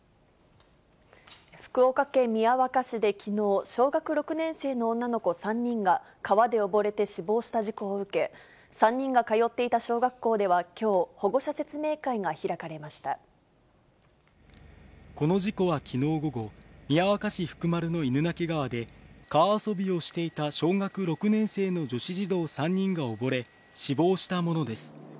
福岡県宮若市できのう、小学６年生の女の子３人が、川で溺れて死亡した事故を受け、３人が通っていた小学校ではきょう、この事故はきのう午後、宮若市福丸の犬鳴川で、川遊びをしていた小学６年生の女子児童３人が溺れ、死亡したものです。